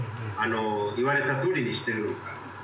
言われたとおりにしてるのか。